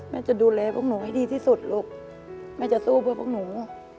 จะดูแลพวกหนูให้ดีที่สุดลูกแม่จะสู้เพื่อพวกหนู